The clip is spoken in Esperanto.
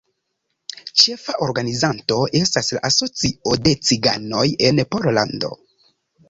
Ĉefa organizanto estas la Asocio de Ciganoj en Pollando.